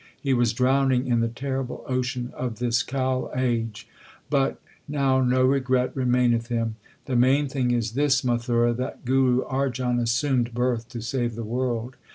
He was drowning in the terrible ocean of this Kal age ; but now no regret remaineth him. 1 The main thing is this, Mathura, that Guru Arjan assumed birth to save the world.